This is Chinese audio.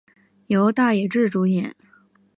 由大野智主演。